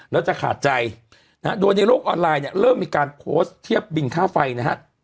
แล้วจะขาดใจนะฮะโดยในโลกออนไลน์เนี่ยเริ่มมีการโพสต์เทียบบินค่าไฟนะฮะ